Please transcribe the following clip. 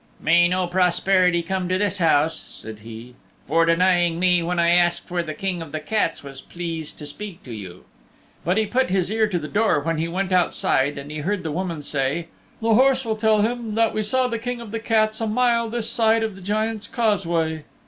"May no prosperity come to this house," said he, "for denying me when I asked where the King of the Cats was pleased to speak to you." But he put his ear to the door when he went outside and he heard the woman say, "The horse will tell him that we saw the King of the Cats a mile this side of the Giant's Causeway."